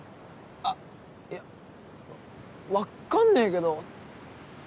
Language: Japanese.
あっいや分かんねえけど。